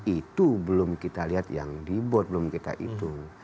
itu belum kita lihat yang ribut belum kita hitung